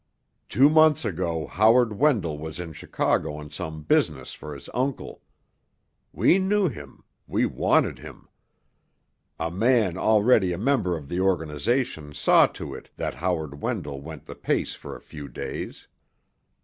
Two months ago Howard Wendell was in Chicago on some business for his uncle. We knew him—we wanted him. A man already a member of the organization saw to it that Howard Wendell went the pace for a few days.